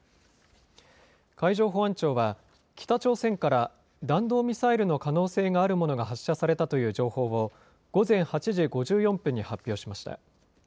海上保安庁は北朝鮮から弾道ミサイルの可能性があるものが発射されたという情報を午前８時５４分に発表しました。